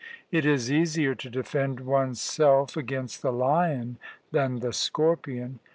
It is easier to defend one's self against the lion than the scorpion.